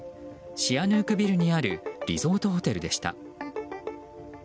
シアヌークビルにあるリゾートホテルでした。